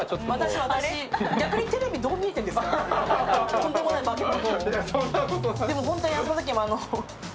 とんでもない化け物？